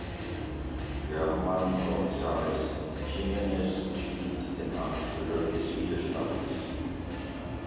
German Gonzalez Jimenez spielt den Anführer des Widerstands.